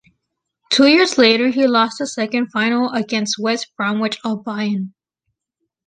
Two years later he lost a second final against West Bromwich Albion.